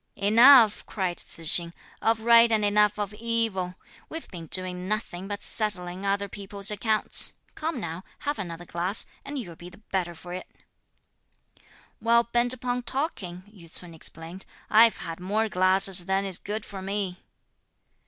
"Enough," cried Tzu hsing, "of right and enough of evil; we've been doing nothing but settling other people's accounts; come now, have another glass, and you'll be the better for it!" "While bent upon talking," Yü ts'un explained, "I've had more glasses than is good for me."